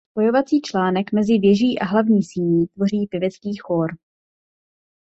Spojovací článek mezi věží a hlavní síní tvoří pěvecký chór.